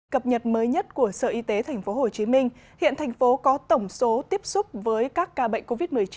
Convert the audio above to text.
cập nhật mới nhất của sở y tế tp hcm hiện thành phố có tổng số tiếp xúc với các ca bệnh covid một mươi chín